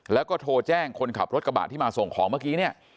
แล้วก็โทรแจ้งคนขับรถกระบะที่มาส่งของเมื่อกี้เนี่ย